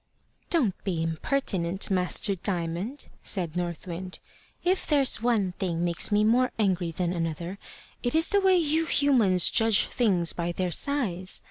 "Don't be impertinent, Master Diamond," said North Wind. "If there's one thing makes me more angry than another, it is the way you humans judge things by their size.